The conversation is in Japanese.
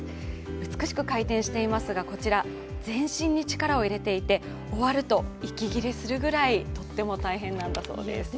美しく回転していますが、こちら、全身に力を入れていて終わると息切れするぐらいとっても大変なんだそうです。